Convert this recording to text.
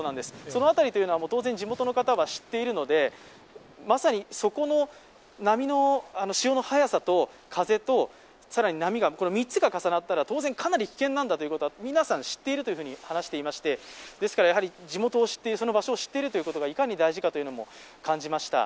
その辺りは当然、地元の方は知っているのでまさにそこの潮の速さと風と更に波、この３つが重なったらかなり危険なんだということは皆さん知っていると話していましてですから地元を知っているその場所を知っていることがいかに大事かということも感じました。